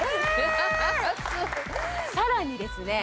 安いさらにですね